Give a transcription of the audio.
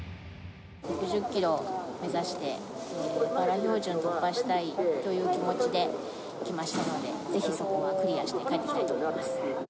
６０キロ目指してパラ標準を突破したいという気持ちで来ましたので、ぜひそこはクリアして帰ってきたいと思います。